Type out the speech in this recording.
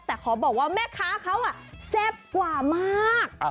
แต่ขอบอกว่าแม่ค้าเขาแซ่บกว่ามาก